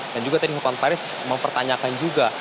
dan juga tadi hukuman taris mempertanyakan juga